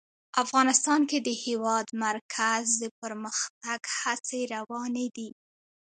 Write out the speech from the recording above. افغانستان کې د د هېواد مرکز د پرمختګ هڅې روانې دي.